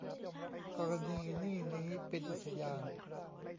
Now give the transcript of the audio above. กรณีนี่นี้ เป็นอุทยาน